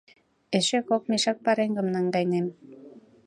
Эше кок мешак пареҥгым наҥгайынем.